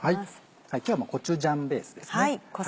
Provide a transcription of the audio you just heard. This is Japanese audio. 今日はコチュジャンベースです。